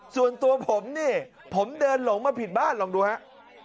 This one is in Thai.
ส่วนตัวผมนี่ผมเดินหลงมาผิดบ้านลองดูครับ